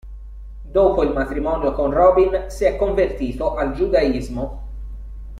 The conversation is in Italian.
Dopo il matrimonio con Robin, si è convertito al Giudaismo.